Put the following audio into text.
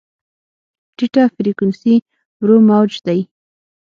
ټیټه فریکونسي ورو موج دی.